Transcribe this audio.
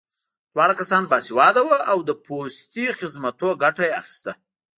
دواړه کسان باسواده وو او له پوستي خدمتونو ګټه اخیست